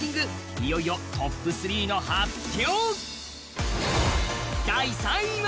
いよいよトップ３の発表。